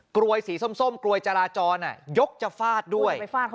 รวยสีส้มกลวยจราจรยกจะฟาดด้วย